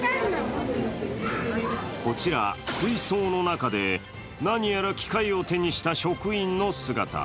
こちら、水槽の中で何やら機械を手にした職員の姿。